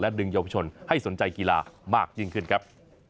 ดึงเยาวชนให้สนใจกีฬามากยิ่งขึ้นครับ